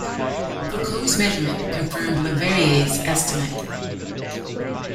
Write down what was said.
Foucault's measurement confirmed le Verrier's estimate.